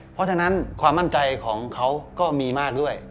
เพราะฉะนั้นความมั่นใจของเขาก็มีมากด้วย